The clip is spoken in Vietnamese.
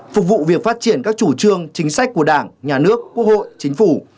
phục vụ việc phát triển các chủ trương chính sách của đảng nhà nước quốc hội chính phủ